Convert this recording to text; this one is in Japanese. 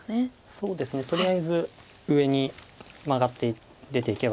そうですねとりあえず上にマガって出ていけば普通です。